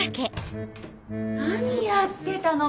何やってたの？